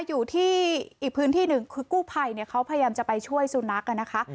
อยู่ที่อีกพื้นที่หนึ่งคือกู้ภัยเนี่ยเขาพยายามจะไปช่วยสุนัขนะคะ